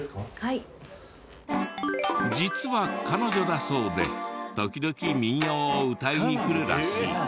実は彼女だそうで時々民謡を歌いに来るらしい。